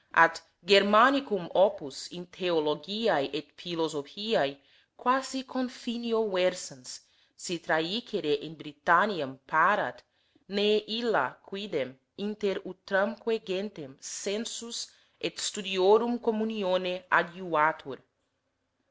At Germanicum opus in theologiz et philo sophiz quasi confinio versans, si trajicere in Britanniam parat, ne illa quidem inter utramque gentem sensus et studiorum communione adjuvatur.